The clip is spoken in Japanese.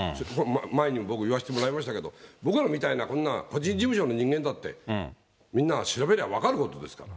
前にも僕、言わせてもらいましたけど、僕らみたいな、こんな個人事務所の人間だって、みんなが調べれば分かることですから。